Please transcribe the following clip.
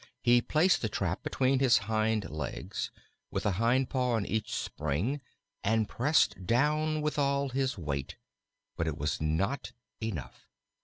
He placed the trap between his hind legs, with a hind paw on each spring, and pressed down with all his weight. But it was not enough.